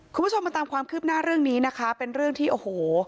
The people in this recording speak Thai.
คุณผู้ชมมาตามความคืบหน้าเรื่องนี้นะคะเป็นเรื่องที่โอ้โห